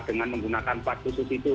dengan menggunakan plat khusus itu